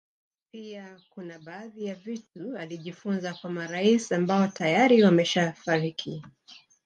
Pia kuna baadhi ya vitu alijifunza kwa marais ambao tayari wameshafariki